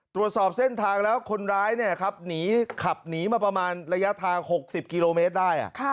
ตรวจสอบเส้นทางแล้วคนร้ายหนีขับหนีมาประมาณระยะทาง๖๐กิโลเมตรได้